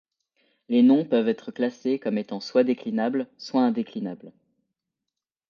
Les noms peuvent être classés comme étant soit déclinables soit indéclinables.